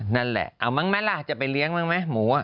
นั่นแหละเอาแม่นล่ะจะไปเลี้ยงมั้งไหมหมู